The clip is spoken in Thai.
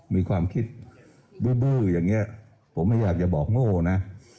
มีความคิดบูบื้ออย่างนี้ผมไม่อยากจะบอกโง่นะ